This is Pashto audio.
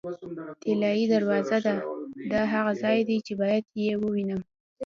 طلایي دروازه ده، دا هغه ځای دی چې باید یې ووینم.